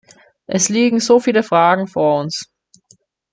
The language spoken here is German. Es liegen so viele Fragen vor uns.